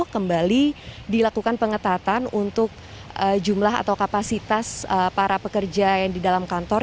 kembali dilakukan pengetatan untuk jumlah atau kapasitas para pekerja yang di dalam kantor